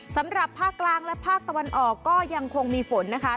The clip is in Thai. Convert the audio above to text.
สำหรับภาคกลางและภาคตะวันออกก็ยังคงมีฝนนะคะ